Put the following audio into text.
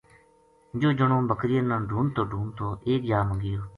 یوجنو بکریاں نا ڈھونڈتو ڈھونڈتو ایک جا ما گیو